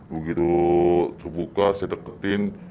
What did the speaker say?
begitu terbuka saya deketin